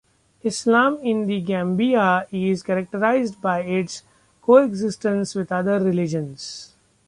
Islam in the Gambia is characterized by its coexistence with other religions.